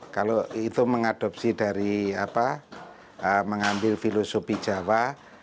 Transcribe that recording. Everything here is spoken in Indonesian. kalau itu mengadopsi dari mengambil filosofi jawa